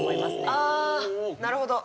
ああなるほど。